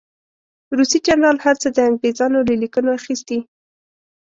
روسي جنرال هر څه د انګرېزانو له لیکنو اخیستي.